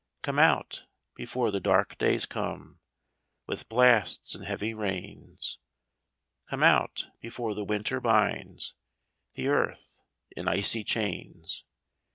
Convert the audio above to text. Come out, before the dark days come, With blasts and heavy rains : Come out, before the winter binds The earth in icy chains.